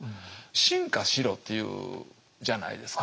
「進化しろ」というじゃないですか。